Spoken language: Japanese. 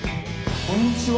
こんにちは。